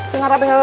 tidak ada apa apa